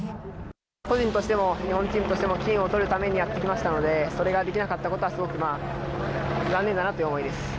個人としても日本人としても金を取るためにやってきましたので、それができなかったことは残念だなという思いです。